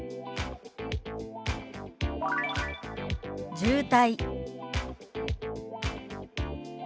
「渋滞」。